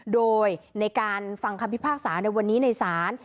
โดยในการฟังคำพิพากษาในวันนี้ในศาล